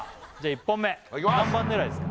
１本目何番狙いですか？